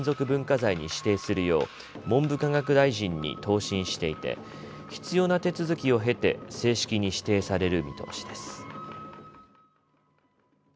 文化財に指定するよう文部科学大臣に答申していて必要な手続きを経て正式に指定される見通しです。